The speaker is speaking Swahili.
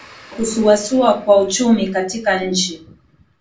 na kusuasua kwa uchumi katika nchi